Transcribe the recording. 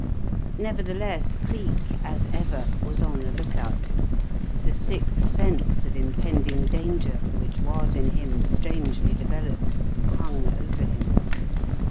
Nevertheless Cleek, as ever, was on the look out* The sixth sense of impending danger which was in him strangely developed hung over him.